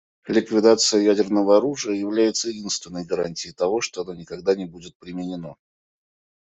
Ликвидация ядерного оружия является единственной гарантией того, что оно никогда не будет применено.